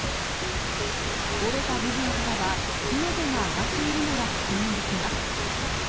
折れた部分からは、火の手が上がっているのが確認できます。